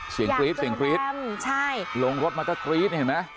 เสียงกรี๊ดลงรถมาก็กรี๊ดเห็นไหมอยากเจอแบมใช่